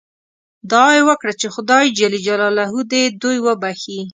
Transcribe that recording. دعا یې وکړه چې خدای دې دوی وبخښي.